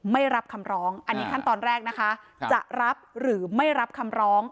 ไม่รับคำร้องอันนี้ขั้นตอนแรกนะคะจะรับหรือไม่รับคำร้อง